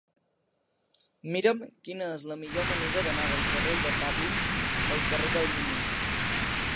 Mira'm quina és la millor manera d'anar del carrer de Papin al carrer del Miño.